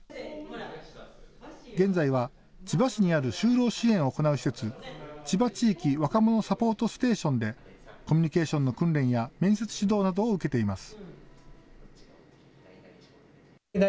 現在は千葉市にある就労支援を行う施設、ちば地域若者サポートステーションでコミュニケーションの訓練や面接指導などを受けています。